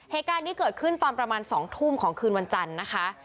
เหตุการณ์นี้เกิดขึ้นตอนประมาณ๒ทุ่มของคืนวันจันทร์นะคะ